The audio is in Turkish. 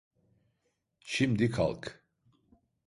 Şimdi kalk.